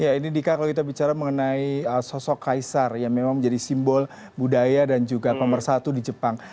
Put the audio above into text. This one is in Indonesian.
ya ini dika kalau kita bicara mengenai sosok kaisar yang memang menjadi simbol budaya dan juga pemersatu di jepang